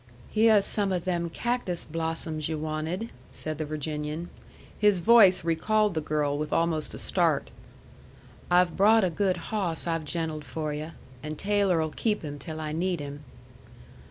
"Hyeh's some of them cactus blossoms yu' wanted," said the Virginian. His voice recalled the girl with almost a start. "I've brought a good hawss I've gentled for yu', and Taylor'll keep him till I need him."